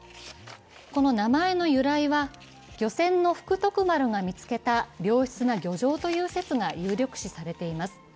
この名前の由来は漁船の「福徳丸」が見つけた良質な漁場という説が有力視されています。